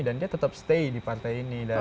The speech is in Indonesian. dan dia tetap stay di partai ini